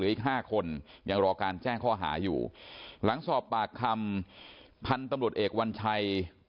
อีกห้าคนยังรอการแจ้งข้อหาอยู่หลังสอบปากคำพันธุ์ตำรวจเอกวัญชัย